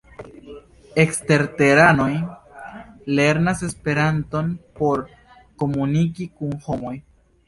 Eksterteranoj lernas Esperanton por komuniki kun homoj.